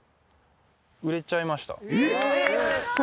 売れちゃいました。